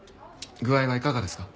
具合はいかがですか？